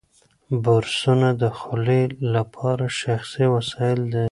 برسونه د خولې لپاره شخصي وسایل دي.